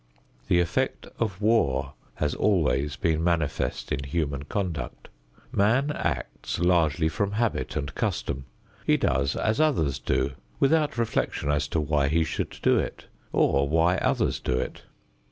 The effect of war has always been manifest in human conduct. Man acts largely from habit and custom; he does as others do, without reflection as to why he should do it or why others do it.